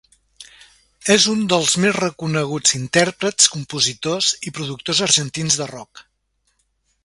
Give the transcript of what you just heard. És un dels més reconeguts intèrprets, compositors i productors argentins de rock.